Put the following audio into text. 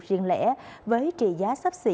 riêng lẻ với trị giá sắp xỉ